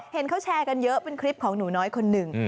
เห็นเขาแชร์กันเยอะเป็นคลิปของหนูน้อยคนหนึ่ง